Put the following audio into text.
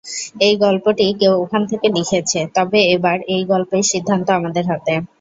এই গল্পটি কেউ ওখান থেকে লিখেছে, তবে এবার এই গল্পের সিদ্ধান্ত আমাদের হাতে।